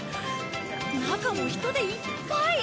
中も人でいっぱい！